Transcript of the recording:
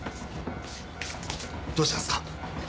どうしたんですか？